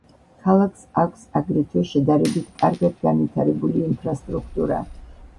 ქალაქს აქვს აგრეთვე შედარებით კარგად განვითარებული ინფრასტრუქტურა.